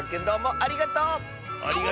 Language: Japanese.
ありがとう！